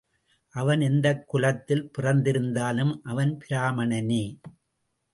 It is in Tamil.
அவன் எந்தக் குலத்தில் பிறந்திருந்தாலும் அவன் பிராமணனே.